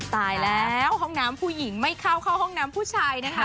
ตายแล้วห้องน้ำผู้หญิงไม่เข้าเข้าห้องน้ำผู้ชายนะคะ